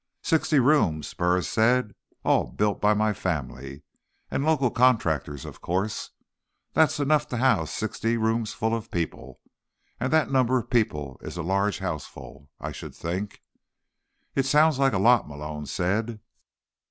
"Sixty rooms," Burris said. "All built by my family. And local contractors, of course. That's enough to house sixty rooms full of people. And that number of people is a large houseful, I should think." "It sounds like a lot," Malone said.